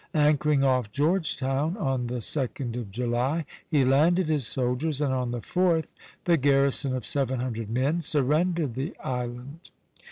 Anchoring off Georgetown on the 2d of July, he landed his soldiers, and on the 4th the garrison of seven hundred men surrendered the island.